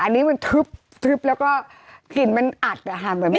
อันนี้มันทึบแล้วก็กลิ่นมันอัดอะค่ะ